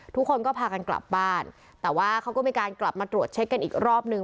ทุกคนก็พากันกลับบ้านแต่ว่าเขาก็มีการกลับมาตรวจเช็คกันอีกรอบนึง